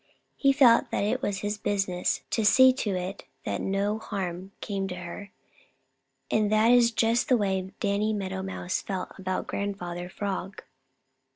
He felt that it was his business to see to it that no harm came to her, and that is just the way Danny Meadow Mouse felt about Grandfather Frog.